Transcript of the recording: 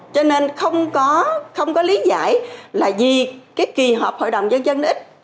cho nên không có lý giải là vì kỳ hợp hội đồng nhân dân ít